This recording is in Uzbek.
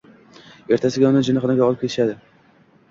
Ertasiga uni jinnixonaga olib ketishdi.